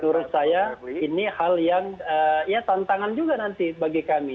menurut saya ini hal yang ya tantangan juga nanti bagi kami